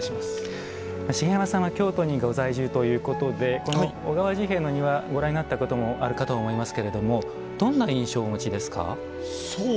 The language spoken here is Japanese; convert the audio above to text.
茂山さんは京都にご在住ということでこの小川治兵衛の庭ご覧になったこともあるかと思いますけれどもどんな印象をお持ちですか。